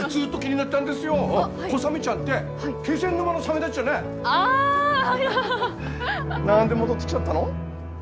なんで戻ってきちゃったの？